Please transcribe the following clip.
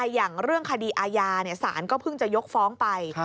อย่างเรื่องคดีอาญาศาลก็เพิ่งจะยกฟ้องไป